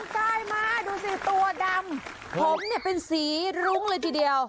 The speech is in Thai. กายมาดูสิตัวดำผมเนี่ยเป็นสีรุ้งเลยทีเดียว